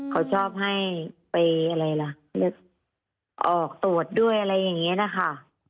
เขาชอบให้ไปออกตรวจด้วยอะไรแบบนี้นะคะ